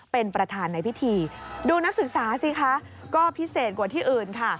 เป็นประธานในพิธีดูนักศึกษาสิคะก็พิเศษกว่าที่อื่นค่ะ